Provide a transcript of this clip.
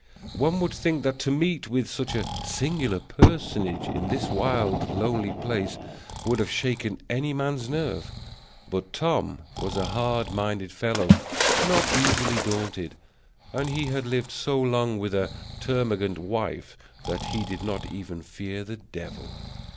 One would think that to meet with such a singular personage in this wild, lonely place would have shaken any man's nerves; but Tom was a hard minded fellow, not easily daunted, and he had lived so long with a termagant wife that he did not even fear the devil.